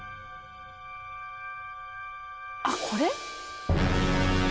あっこれ？